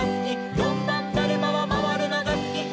「よんばんだるまはまわるのがすき」